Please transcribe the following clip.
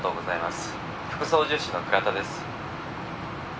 「副操縦士の倉田です」